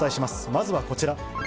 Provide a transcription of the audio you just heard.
まずはこちら。